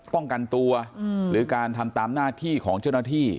ป้องกันตัวหรือการทำตามหน้าที่ของเจ้าหน้าที่